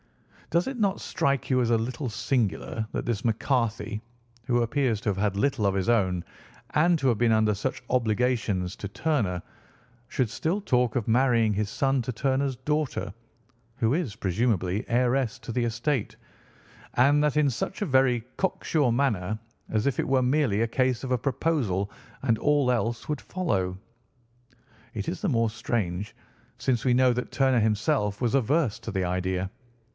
Does it not strike you as a little singular that this McCarthy, who appears to have had little of his own, and to have been under such obligations to Turner, should still talk of marrying his son to Turner's daughter, who is, presumably, heiress to the estate, and that in such a very cocksure manner, as if it were merely a case of a proposal and all else would follow? It is the more strange, since we know that Turner himself was averse to the idea.